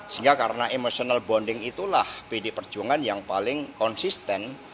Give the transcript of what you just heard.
sehingga karena emotional bonding itulah pd perjuangan yang paling konsisten